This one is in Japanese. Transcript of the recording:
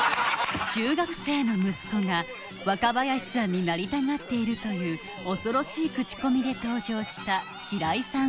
中学生の息子が若林さんになりたがっているという恐ろしいクチコミで登場した平井さん